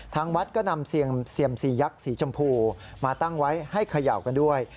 ทางวัดก็นำเสี่ยมสี่ยักษ์สีชมพูมาตั้งไว้ให้เขย่ากันด้วย